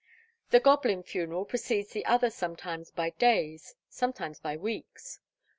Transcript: The goblin funeral precedes the other sometimes by days, sometimes by weeks.